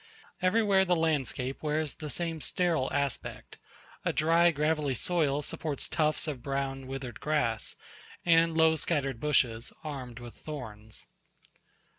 Everywhere the landscape wears the same sterile aspect; a dry gravelly soil supports tufts of brown withered grass, and low scattered bushes, armed with thorns.